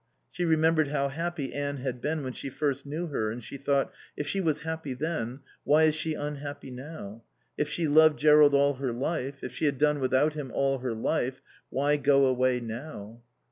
She remembered how happy Anne had been when she first knew her, and she thought: If she was happy then, why is she unhappy now? If she loved Jerrold all her life, if she had done without him all her life, why go away now?